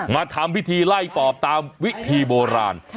มาทำพิธีไล่ปอบตามวิธีโบราณ